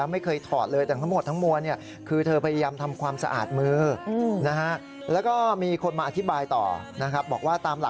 มันคือมันเหมือนมีอะไรมาขั้นกลาง